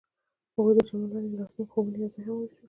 هغوی د چمن لاندې د راتلونکي خوبونه یوځای هم وویشل.